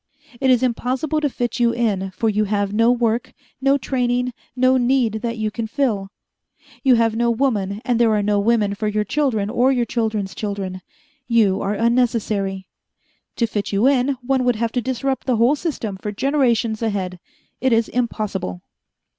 It is impossible to fit you in, for you have no work, no training, no need that you can fill. You have no woman, and there are no women for your children or your children's children. You are unnecessary. To fit you in, one would have to disrupt the whole system for generations ahead. It is impossible."